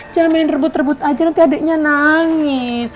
jangan main rebut rebut aja nanti adeknya nangis